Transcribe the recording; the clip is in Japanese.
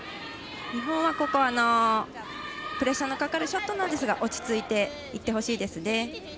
日本はプレッシャーのかかるショットなんですが落ち着いていってほしいですね。